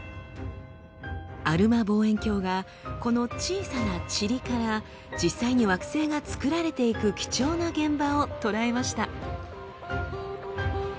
アルマ望遠鏡がこの小さなチリから実際に惑星がつくられていく貴重な現場を捉えました。